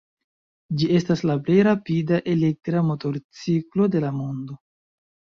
Ĝi estas la plej rapida elektra motorciklo de la mondo.